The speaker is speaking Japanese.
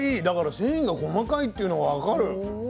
だから繊維が細かいっていうの分かる。